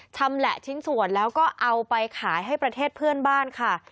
ชำแหละชิ้นส่วนแล้วก็เอาไปขายให้ประเทศเพื่อนบ้านค่ะ